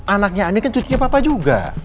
anaknya ini kan cucunya papa juga